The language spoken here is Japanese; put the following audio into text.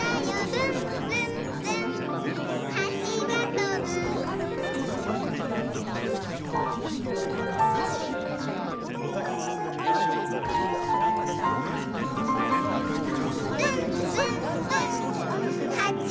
「ぶんぶんぶんはちがとぶ」「ぶんぶんぶんはちがとぶ」